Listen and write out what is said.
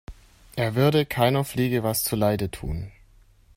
Er würde keiner Fliege was zu Leide tun.